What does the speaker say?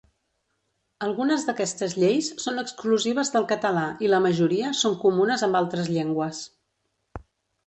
Algunes d'aquestes lleis són exclusives del català i la majoria són comunes amb altres llengües.